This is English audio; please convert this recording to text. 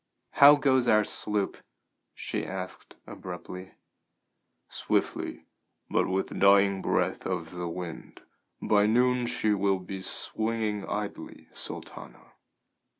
"How goes our sloop?" she asked abruptly. "Swiftly, but with the dying breath of the wind. By noon she will be swinging idly, Sultana."